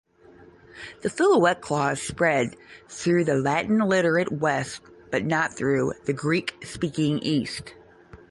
The filioque clause spread through the Latin-literate West but not through the Greek-speaking East.